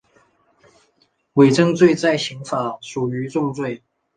伪证罪在刑法属于重罪。